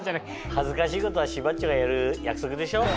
恥ずかしいことは柴っちょがやる約束でしょ？